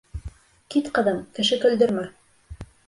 Кит, ҡыҙым, кеше көлдөрмә.